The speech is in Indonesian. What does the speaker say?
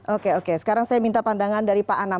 oke oke sekarang saya minta pandangan dari pak anam